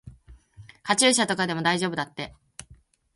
カチューシャとかでも大丈夫だって。